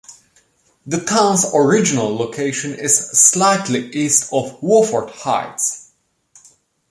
The town's original location is slightly east of Wofford Heights.